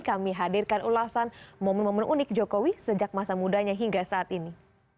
kami hadirkan ulasan momen momen unik jokowi sejak masa mudanya hingga saat ini